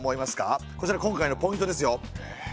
こちら今回のポイントですよ。